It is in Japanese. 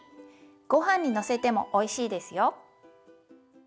ごはんにのせてもおいしいですよ。